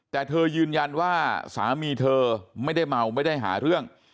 แต่เธอยืนยันว่าสามีเธอไม่ได้เมาไม่ได้หาเรื่อง